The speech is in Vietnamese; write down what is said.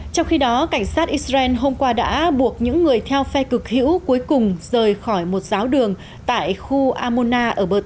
trong khi đó cảnh sát israel hôm qua đã buộc những người theo phe cực hữu cuối cùng rời khỏi một giáo đường tại khu amona ở bờ tây